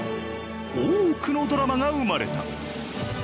多くのドラマが生まれた。